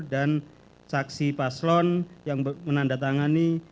saksi paslon yang menandatangani